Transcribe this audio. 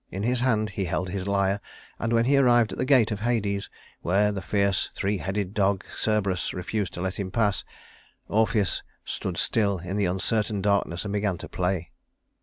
In his hand he held his lyre, and when he arrived at the gate of Hades, where the fierce three headed dog Cerberus refused to let him pass, Orpheus stood still in the uncertain darkness and began to play.